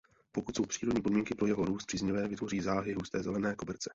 Pokud jsou přírodní podmínky pro jeho růst příznivé vytvoří záhy husté zelené koberce.